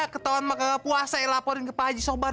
ketauan makan puasa elaporin ke pak haji sobar